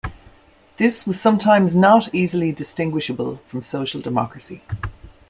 This was sometimes not easily distinguishable from social democracy.